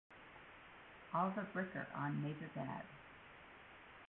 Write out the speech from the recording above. Alva Bricker on "Major Dad".